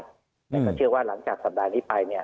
และก็เชื่อว่าหลังจากสัปดาห์นี้ไป